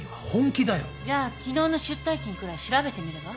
じゃあ昨日の出退勤くらい調べてみれば？